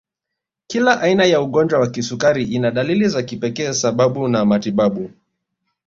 Kila aina ya ugonjwa wa kisukari ina dalili za kipekee sababu na matibabu